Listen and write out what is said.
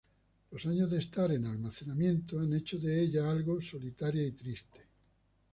Años de estar en el almacenamiento han hecho de ella algo solitaria y triste.